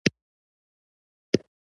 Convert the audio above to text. په ځمکه خطونه باسي او په چورت کې ډوب دی.